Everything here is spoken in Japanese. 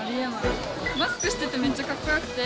マスクしててめっちゃかっこよくて、